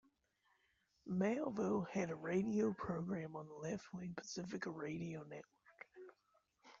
Malveaux had a radio program on the left-wing Pacifica Radio network.